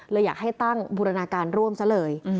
เลยอยากให้ตั้งบูรณาการร่วมซะเลย